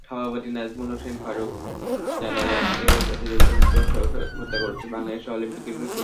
সভাপতি নাজমুল হোসাইন ফারুক জানালেন, এবারের প্রতিযোগিতার পৃষ্ঠপোষকতা করছে বাংলাদেশ অলিম্পিক অ্যাসোসিয়েশন।